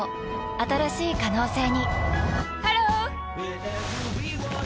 新しい可能性にハロー！